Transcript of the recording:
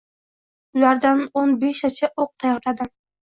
Ulardan o‘n beshtacha o‘q tayyorladim